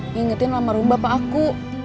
ngingetin lama rumah bapak aku